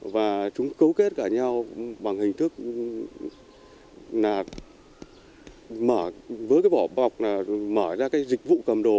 và chúng cấu kết ở nhau bằng hình thức là mở với cái vỏ bọc là mở ra cái dịch vụ cầm đồ